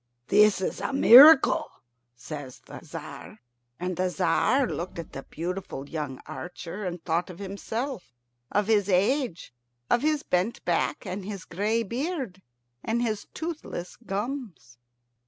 "This is a miracle," says the Tzar. And the Tzar looked at the beautiful young archer, and thought of himself of his age, of his bent back, and his gray beard, and his toothless gums.